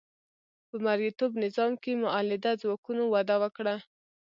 په مرئیتوب نظام کې مؤلده ځواکونو وده وکړه.